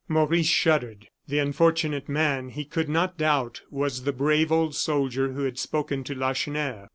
Maurice shuddered. The unfortunate man, he could not doubt, was the brave old soldier who had spoken to Lacheneur.